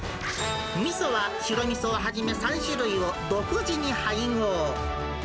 みそは白みそをはじめ、３種類を独自に配合。